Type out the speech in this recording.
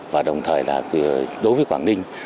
và đồng thời đối với quảng ninh